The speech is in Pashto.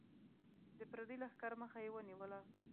د پردي لښکر مخه یې ونیوله.